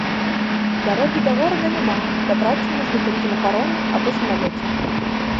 Дарогі да горада няма, дабрацца можна толькі на пароме або самалёце.